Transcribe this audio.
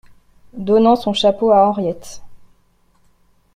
Donnant son chapeau à Henriette.